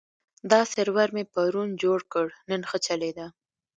دا سرور مې پرون جوړ کړ، نن ښه چلېده.